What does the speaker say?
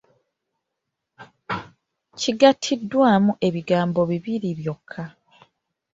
Kigattiddwamu ebigambo bibiri byokka.